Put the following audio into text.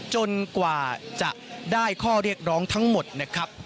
กว่าจะได้ข้อเรียกร้องทั้งหมดนะครับ